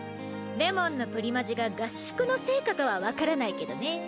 れもんのプリマジが合宿の成果かはわからないけどね。